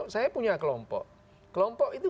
saya punya kelompok kelompok itu